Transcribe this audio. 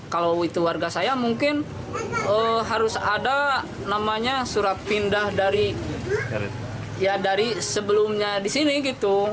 kalau itu warga saya mungkin harus ada namanya surat pindah dari sebelumnya di sini gitu